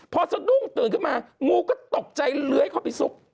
พอสะดุ้งตื่นขึ้นมางูก็ตกใจเลื้อยเข้าไปซุก